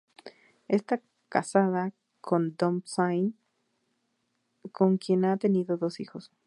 Está casada con Dov Sion, con quien ha tenido dos hijos.